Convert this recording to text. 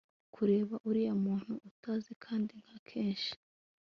Kureba uriya muntu utazi kandi nka kenshi